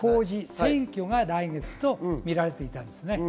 選挙が来月とみられていたんです。